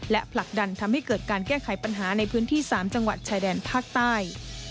และผลักดันทำให้เกิดการแก้ไขปัญหาในพื้นที่๓จังหวัดชายแดนภาคใต้